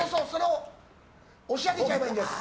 押し上げちゃえばいいんです。